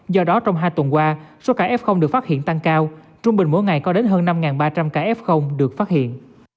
do đó trong hai tuần qua số ca f được phát hiện tăng cao trung bình mỗi ngày có đến hơn năm ba trăm linh ca f được phát hiện